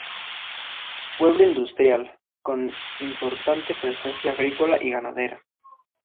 Pueblo industrial, con importante presencia agrícola y ganadera.